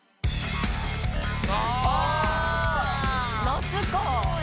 夏か。